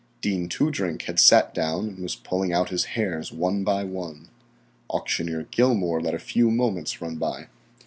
Dean Toodrink had sat down and was pulling out his hairs one by one. Auctioneer Gilmour let a few moments run by.